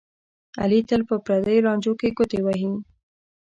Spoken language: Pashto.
علي تل په پردیو لانجو کې ګوتې وهي.